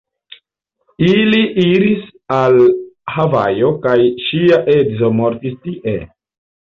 Ili iris al Havajo kaj ŝia edzo mortis tie.